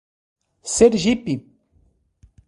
Sergipe